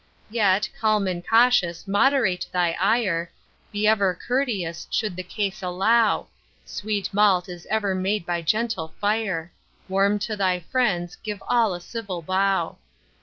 Yet, calm and cautious moderate thy ire, Be ever courteous should the case allow— Sweet malt is ever made by gentle fire: Warm to thy friends, give all a civil bow.